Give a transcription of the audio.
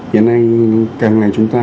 hiện nay càng ngày chúng ta